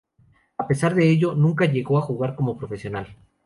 A pesar de ello, nunca llegó a jugar como profesional.